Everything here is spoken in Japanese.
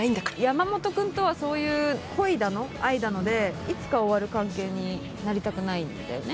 山本君とはそういう恋だの愛だのでいつか終わる関係になりたくないんだよね。